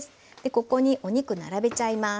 ここにお肉並べちゃいます。